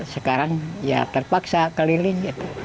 sekarang ya terpaksa keliling